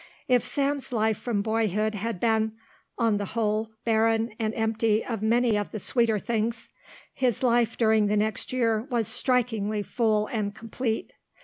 If Sam's life from boyhood had been, on the whole, barren and empty of many of the sweeter things, his life during the next year was strikingly full and complete.